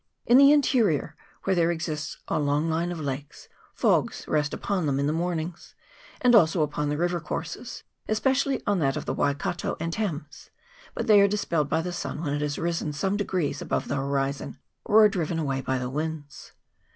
In the interior, where there exists a long line of lakes, fogs rest upon them in the mornings, and also upon the river courses, especially on that of the Waikato and Thames, but they are dispelled by the sun when it has risen some degrees above the horizon, or are driven away by the winds.